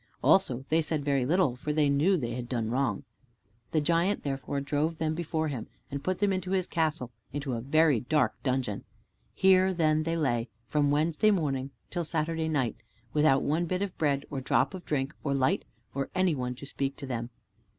Also they said very little, for they knew they had done wrong. The giant therefore drove them before him, and put them into his castle, into a very dark dungeon. Here, then, they lay, from Wednesday morning till Saturday night, without one bit of bread or drop of drink, or light, or any one to speak to them.